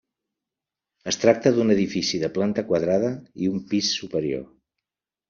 Es tracta d’un edifici de planta quadrada i un pis superior.